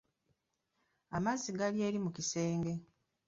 Amazzi gali eri mu kisenge.